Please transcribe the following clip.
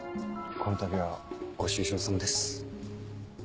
このたびはご愁傷さまです。